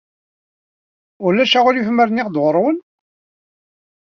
Ulac aɣilif ma rniɣ-d ɣer-wen?